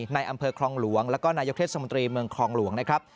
ในอำเภอคลองหลวงแล้วก็นายกเทศมนตรีเมืองคลองหลวงนะครับ